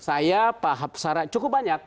saya pak hafsara cukup banyak